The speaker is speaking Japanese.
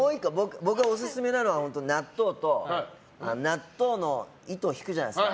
僕がオススメなのは納豆の糸、引くじゃないですか。